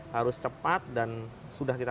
harus cepat dan sudah kita